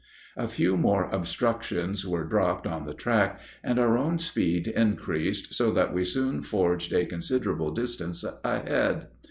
A few more obstructions were dropped on the track, and our own speed increased so that we soon forged a considerable distance ahead.